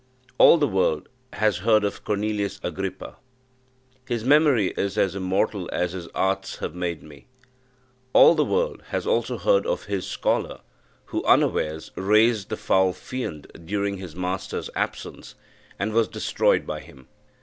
All the world has heard of Cornelius Agrippa. His memory is as immortal as his arts have made me. All the world has also heard of his scholar, who, unawares, raised the foul fiend during his master's absence, and was destroyed by him.